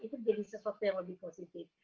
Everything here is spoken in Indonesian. itu jadi sesuatu yang lebih positif